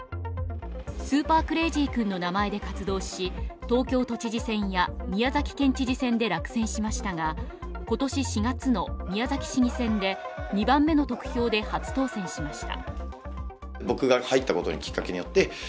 スーパークレイジー君の名前で活動し東京都知事選や宮崎県知事選で落選しましたが今年４月の宮崎市議選で２番目の得票で初当選しました。